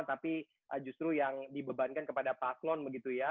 tapi justru yang dibebankan kepada paslon begitu ya